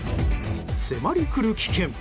迫りくる危険。